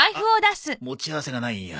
あっ持ち合わせがないや。